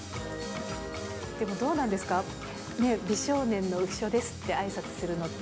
でもどうなんですか、美少年の浮所ですってあいさつするのって。